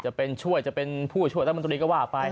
จะเป็นช่วยจะเป็นผู้ช่วยตั้งแต่ตรวจนี้ก็ว่าไป